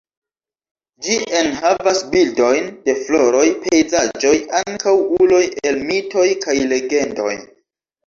Ĝi enhavas bildojn de floroj, pejzaĝoj ankaŭ uloj el mitoj kaj legendoj.